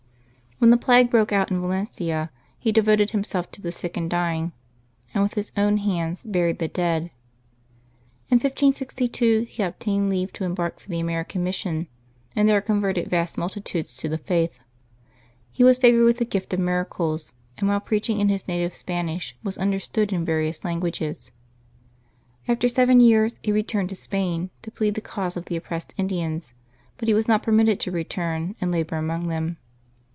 When the plague broke out in Valencia he devoted himself to the sick and dying, and with his own hands buried the dead. In 1562 he obtained leave to embark for the Amer ican mission, and there converted vast multitudes to the Faith. He was favored with the gift of miracles, and while preaching in his native Spanish was understood in various lang uages. After seven years he returned to Spain, to plead the cause of the oppressed Indians, but he was not permitted to return and labor among them.